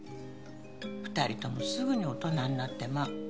二人ともすぐに大人になってまう